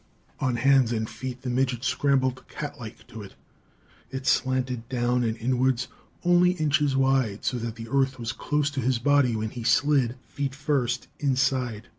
On hands and feet the midget scrambled cat like to it. It slanted down and inwards, only inches wide, so that the earth was close to his body when he slid feet first inside.